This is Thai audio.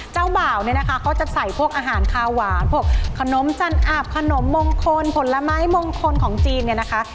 เจ้าบ่าวเนี่ยนะคะเขาจะใส่พวกอาหารคาหวานพวกขนมจันอาบขนมมงคลผลไม้มงคลของจีนเนี่ยนะคะ